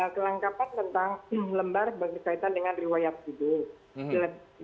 kelengkapan tentang lembar berkaitan dengan riwayat hidup